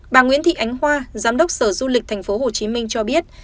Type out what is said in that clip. bà nguyễn thị ánh hoa giám đốc sở du lịch tp hcm cho biết